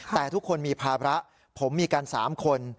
แต่ทุกคนมีภาระผมมีกัน๓คน